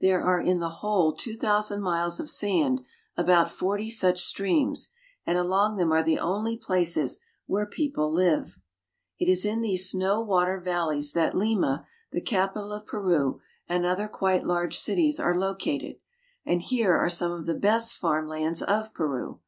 There are in the whole two thousand miles of sand about forty such streams, and along them are the only places where people live. It is in these snow water valleys that Lima, the capital of Peru, and other quite large cities are located, and here are some of the best farm lands of Peru.